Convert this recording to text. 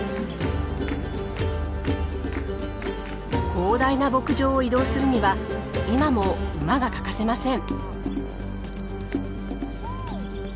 広大な牧場を移動するには今も馬が欠かせません。